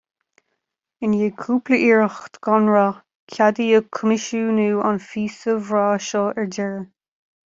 I ndiaidh cúpla iarracht gan rath, ceadaíodh coimisiúnú an phíosa bhreá seo ar deireadh